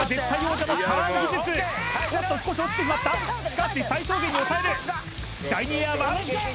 おっと少し落ちてしまったしかし最小限に抑える第２エアは？